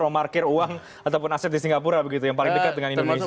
romarkir uang ataupun aset di singapura begitu yang paling dekat dengan indonesia